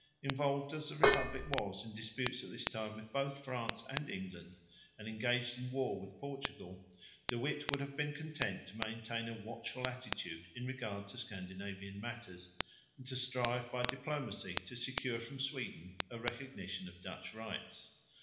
Involved as the republic was in disputes at this time with both France and England, and engaged in war with Portugal, De Witt would have been content to maintain a watchful attitude in regard to Scandinavian matters and to strive by diplomacy to secure from Sweden a recognition of Dutch rights.